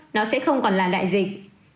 nó sẽ không còn là đại dịch